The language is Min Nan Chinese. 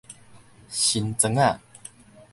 新庄仔